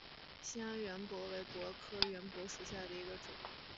兴安圆柏为柏科圆柏属下的一个种。